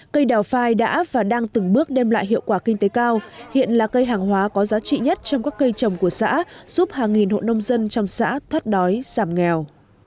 cây đào phai đã và đang từng bước đem lại hiệu quả kinh tế cao hiện là cây hàng hóa có giá trị nhất trong các cây trồng của xã giúp hàng nghìn hộ nông dân trong xã thoát đói giảm nghèo